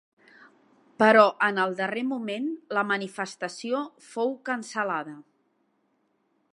Però en el darrer moment la manifestació fou cancel·lada.